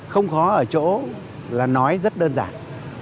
không khó ở chỗ là nói rất đơn giản